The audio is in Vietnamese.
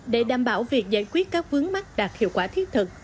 để đảm bảo việc giải quyết các vướng mắt đạt hiệu quả thiết thực